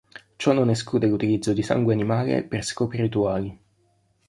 Ciò non esclude l'utilizzo di sangue animale per scopi rituali.